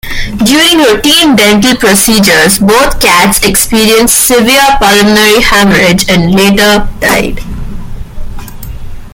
During routine dental procedures both cats experienced severe pulmonary hemorrhage and later died.